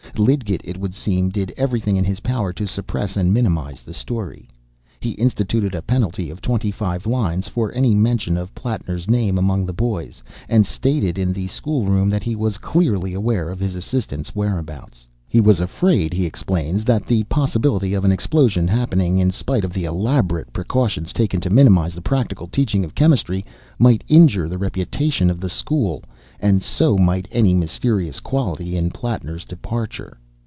Lidgett, it would seem, did everything in his power to suppress and minimise the story. He instituted a penalty of twenty five lines for any mention of Plattner's name among the boys, and stated in the schoolroom that he was clearly aware of his assistant's whereabouts. He was afraid, he explains, that the possibility of an explosion happening, in spite of the elaborate precautions taken to minimise the practical teaching of chemistry, might injure the reputation of the school; and so might any mysterious quality in Plattner's departure.